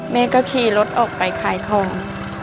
แม่ก็ขี่รถออกไปขายของ